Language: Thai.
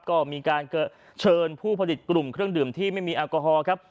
ก็มีการเชิญผู้ผลิตกลุ่มเครื่องดื่มที่ไม่มีแอลกอฮอล์ครับ